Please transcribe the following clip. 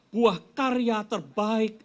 buah karya terbaik